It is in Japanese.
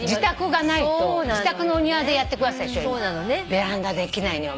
ベランダできないのよ